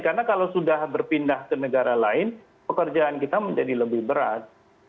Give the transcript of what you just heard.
karena kalau sudah berpindah ke negara lain pekerjaan kita menjadi lebih berat